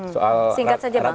singkat saja bang